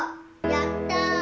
やった！